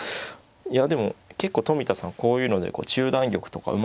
いやでも結構冨田さんこういうので中段玉とかうまいんですよ。